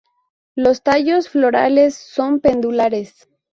Los tallos florales son pendulares.